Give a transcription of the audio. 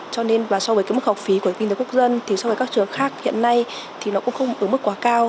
cho nên và so với cái mức học phí của kinh tế quốc dân thì so với các trường khác hiện nay thì nó cũng không ở mức quá cao